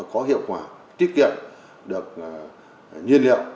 có hiệu quả tiết kiệm được nhiên liệu